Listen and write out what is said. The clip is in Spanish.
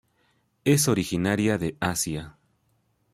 Es originaria de Asia.